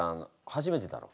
初めてだろ？